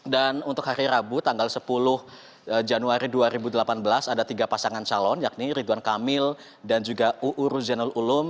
dan untuk hari rabu tanggal sepuluh januari dua ribu delapan belas ada tiga pasangan calon yakni ridwan kamil dan juga uu ruzianul ulum